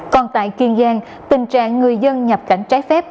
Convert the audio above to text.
còn tại kiên giang tình trạng người dân nhập cảnh trái phép